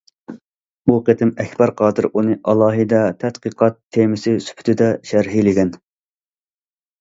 بۇ قېتىم ئەكبەر قادىر ئۇنى ئالاھىدە تەتقىقات تېمىسى سۈپىتىدە شەرھلىگەن.